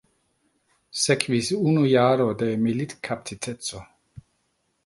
Sekvis unu jaro de militkaptiteco.